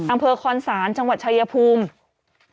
อำเภอคอนศาลจังหวัดชายภูมิ